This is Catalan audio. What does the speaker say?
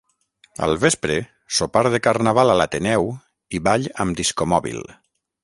Al vespre, sopar de Carnaval a l'Ateneu i ball amb disco mòbil.